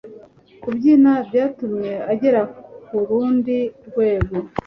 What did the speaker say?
Kubyina byatumye agera kurundi rwego